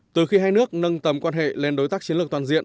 từ khi hai nước nâng tầm quan hệ lên đối tác chiến lược toàn diện